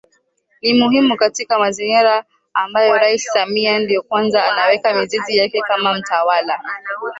ni muhimu katika mazingira ambayo Rais Samia ndiyo kwanza anaweka mizizi yake kama mtawala